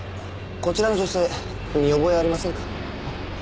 こちらの女性見覚えありませんか？